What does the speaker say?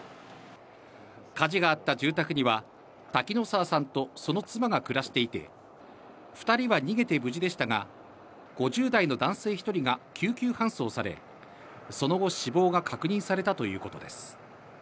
火事があった住宅には滝野澤さんと、その妻が暮らしていて、２人は逃げて無事でしたが、５０代の男性１人が救急搬送され、その後、死亡が確認されたということです。